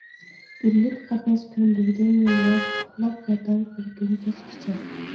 گۈللۈك قەپەس كۆندۈرگەن يولۋاس، ئۇخلاپ ياتار بىر كۈن كەچكىچە.